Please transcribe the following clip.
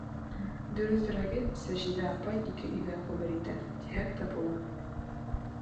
Дөрөҫөрәге, Сажиҙә апай ике өйҙә ғүмер итә, тиһәк тә була.